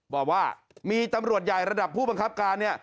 บอกว่ามีตำรวจใหญ่ระดับผู้บังคับการเนี่ย